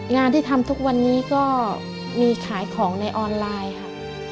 งานที่ทำทุกวันนี้ก็มีขายของในออนไลน์ค่ะ